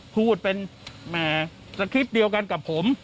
พูดเป็นสคริปต์เดียวกันกับผม